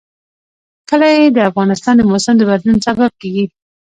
کلي د افغانستان د موسم د بدلون سبب کېږي.